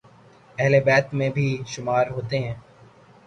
اہل بیت میں بھی شمار ہوتے ہیں